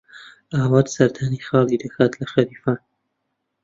ئاوات سەردانی خاڵی دەکات لە خەلیفان.